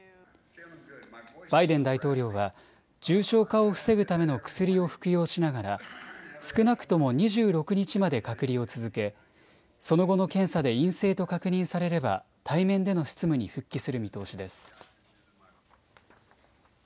バイデン大統領は重症化を防ぐための薬を服用しながら少なくとも２６日まで隔離を続け、その後の検査で陰性と確認されれば対面での執務に復帰する見通しです。